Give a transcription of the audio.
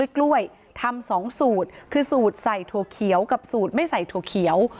กล้วยทำ๒สูตรคือสูตรใส่ถั่วเขียวกับสูตรไม่ใส่ถั่วเขียว